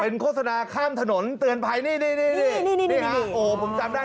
เป็นโฆษณาข้ามถนนเตือนภัยนี่ผมจำได้